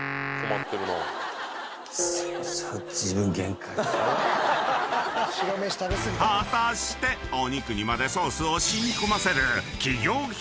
［果たしてお肉にまでソースを染み込ませる］